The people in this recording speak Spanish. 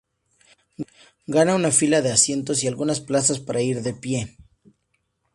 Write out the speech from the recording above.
Gana una fila de asientos y algunas plazas para ir de pie.